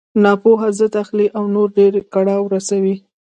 ناپوه ضد اخلي او نور ډېر کړاو رسوي.